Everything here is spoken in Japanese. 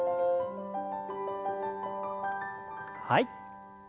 はい。